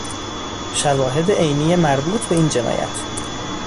شواهد عینی مربوط به این جنایت